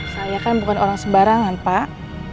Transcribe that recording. saya kan bukan orang sembarangan pak